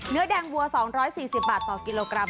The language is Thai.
เนื้อแดงวัว๒๔๐บาทต่อกิโลกรัม